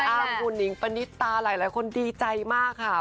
พี่อ้าวคุณนิงปานิตาหลายคนดีใจมากค่ะ